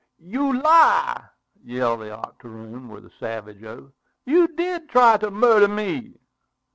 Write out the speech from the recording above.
"You lie!" yelled the octoroon, with a savage oath. "You did try to murder me!"